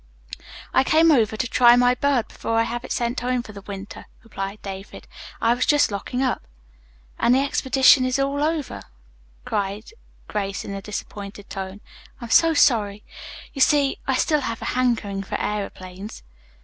"I came over to try my bird before I have it sent home for the winter," replied David. "I was just locking up." "And the exhibition is all over," cried Grace in a disappointed tone. "I'm so sorry. You see, I still have a hankering for aëroplanes."